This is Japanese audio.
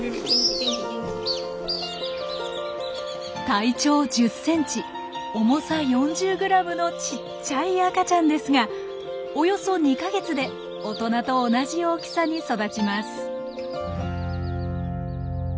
体長１０ｃｍ重さ４０ｇのちっちゃい赤ちゃんですがおよそ２か月で大人と同じ大きさに育ちます。